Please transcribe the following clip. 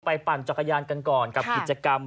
ปั่นจักรยานกันก่อนกับกิจกรรม